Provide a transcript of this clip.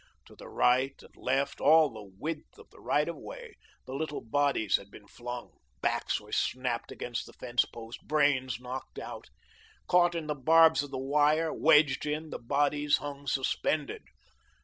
To the right and left, all the width of the right of way, the little bodies had been flung; backs were snapped against the fence posts; brains knocked out. Caught in the barbs of the wire, wedged in, the bodies hung suspended.